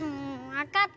わかった。